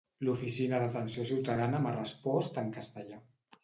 L'oficina d'atenció ciutadana m'ha respost en castellà.